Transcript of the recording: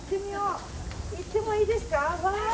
行ってもいいですか？